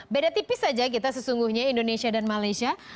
beda tipis saja kita sesungguhnya indonesia dan malaysia